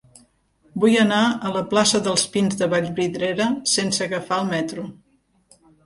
Vull anar a la plaça dels Pins de Vallvidrera sense agafar el metro.